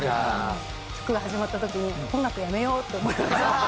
曲が始まった時に音楽やめようって思いました。